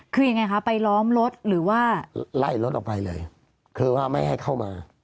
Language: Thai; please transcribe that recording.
คือยังไงคะไปล้อมรถหรือว่าไล่รถออกไปเลยคือว่าไม่ให้เข้ามา